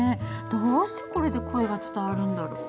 どうしてこれで声が伝わるんだろう？